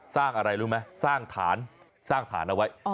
สร้างอะไรรู้ไหมสร้างฐานสร้างฐานเอาไว้